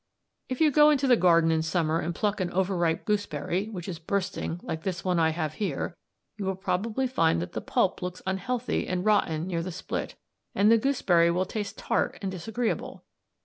"If you go into the garden in summer and pluck an overripe gooseberry, which is bursting like this one I have here, you will probably find that the pulp looks unhealthy and rotten near the split, and the gooseberry will taste tart and disagreeable.